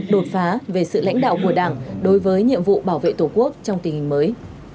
đột phá về sự lãnh đạo của đảng đối với nhiệm vụ bảo vệ tổ quốc trong tình hình mới